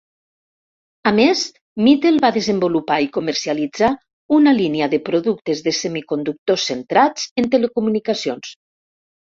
A més, Mitel va desenvolupar i comercialitzar una línia de productes de semiconductors centrats en telecomunicacions.